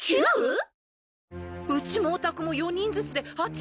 うちもお宅も４人ずつで８人よね？